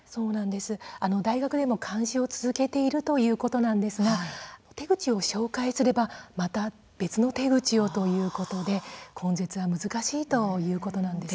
大学でも監視を続けているということなんですが手口を紹介すればまた別の手口をということで根絶は難しいということなんですね。